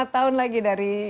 dua puluh lima tahun lagi dari